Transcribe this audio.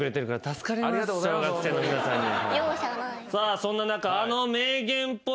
そんな中あの。